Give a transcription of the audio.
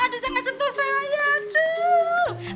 aduh jangan sentuh saya aduh